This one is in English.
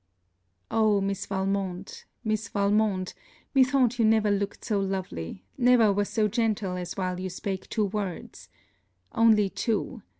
'Oh, Miss Valmont, Miss Valmont, methought you never looked so lovely, never was so gentle as while you spake two words Only two.